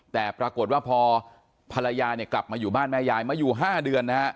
แต่ปรากฏว่าพอภรรยาเนี่ยกลับมาอยู่บ้านแม่ยายมาอยู่๕เดือนนะฮะ